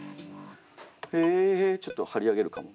へえちょっと張り上げるかも。